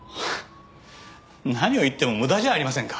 何を言っても無駄じゃありませんか。